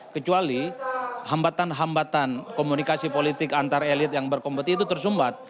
kecuali hambatan hambatan komunikasi politik antar elit yang berkompetisi itu tersumbat